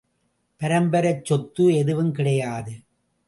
பரம்பரைச் சொத்து எதுவும் கிடையாது.